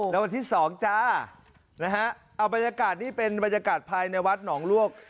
แล้ววันที่๒จ้านะฮะเอาบรรยากาศนี่เป็นบรรยากาศภายในวัดหนองลวก